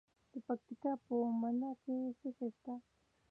د پکتیکا په اومنه کې څه شی شته؟